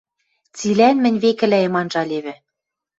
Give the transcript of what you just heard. Цилӓн мӹнь векӹлӓэм анжалевӹ.